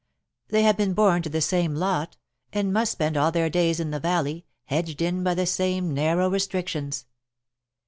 They had been born to the same lot, and must spend all their days in the valley, hedged in by the same narrow restrictions.